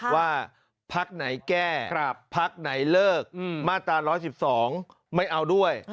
ว่าพักไหนแก้พักไหนเลิกมาตรา๑๑๒ไม่เอาด้วย